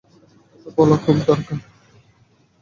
এটা বলা কি খুব দরকার?